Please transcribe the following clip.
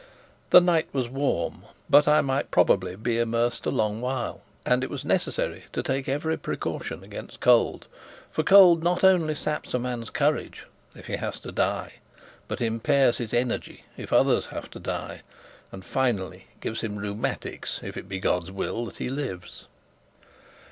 The night was warm, but I might probably be immersed a long while, and it was necessary to take every precaution against cold: for cold not only saps a man's courage if he has to die, but impairs his energy if others have to die, and, finally, gives him rheumatics, if it be God's will that he lives.